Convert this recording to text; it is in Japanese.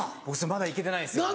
まだ行けてないんですよ。